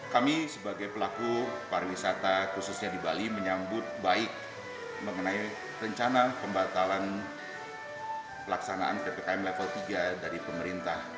kami sebagai pelaku pariwisata khususnya di bali menyambut baik mengenai rencana pembatalan pelaksanaan ppkm level tiga dari pemerintah